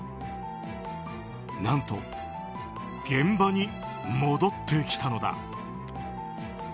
何と、現場に戻ってきたのだ。